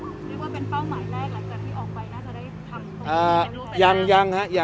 เรียกว่าเป็นเป้าหมายแรกหลังจากที่ออกไปนะเธอได้ทำตรงนี้รู้ไปแล้ว